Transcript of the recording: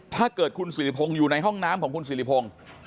ถ้าเกิดคุณสิริพงศ์อยู่ในห้องน้ำของคุณสิริพงศ์